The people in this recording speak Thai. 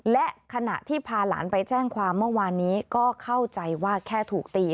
และขณะที่พาหลานไปแจ้งความเมื่อวานนี้ก็เข้าใจว่าแค่ถูกตี